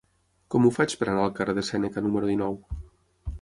Com ho faig per anar al carrer de Sèneca número dinou?